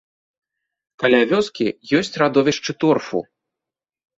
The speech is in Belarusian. Каля вёскі ёсць радовішчы торфу.